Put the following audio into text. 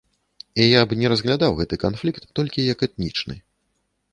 І я б не разглядаў гэты канфлікт толькі як этнічны.